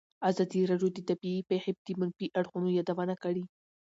ازادي راډیو د طبیعي پېښې د منفي اړخونو یادونه کړې.